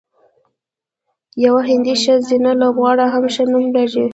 یوه هندۍ ښځینه لوبغاړې هم ښه نوم لري.